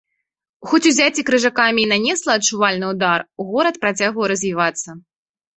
Хоць узяцце крыжакамі і нанесла адчувальны ўдар, горад працягваў развівацца.